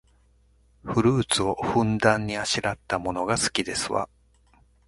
フルーツをふんだんにあしらったものが好きですわ